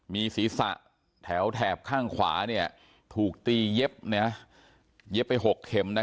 มีศีรษะแถวแถบข้างขวาถูกตีเย็บไป๖เข็ม